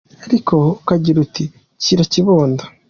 Ariko ukagira uti:"Kira kibondo!"